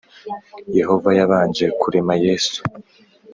Yehova yabanje kurema Yesu